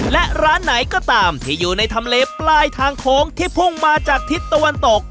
และร้านไหนก็ตามที่อยู่ในทำเลปลายทางโค้งที่พุ่งมาจากทิศตะวันตก